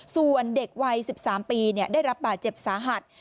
ส่วนเด็กวัยสิบสามปีเนี่ยได้รับบาดเจ็บสาหัส